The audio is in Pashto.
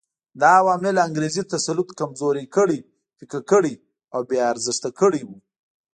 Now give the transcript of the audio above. دا عوامل انګریزي تسلط کمزوري کړي، پیکه کړي او بې ارزښته کړي وو.